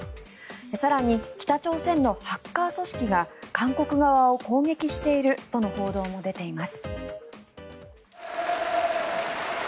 更に北朝鮮のハッカー組織が韓国側を攻撃しているとの報道も出ています。